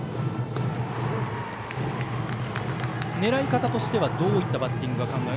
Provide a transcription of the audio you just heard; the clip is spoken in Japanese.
狙い方としてはどういったバッティングが？